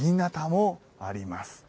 もあります。